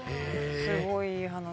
すごいいい話。